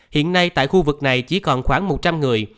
hiện nay tại khu vực này chỉ còn khoảng một trăm linh người